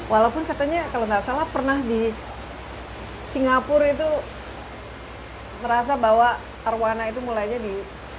walaupun katanya kalau tidak salah pernah di singapura itu merasa bahwa arwana itu mulainya di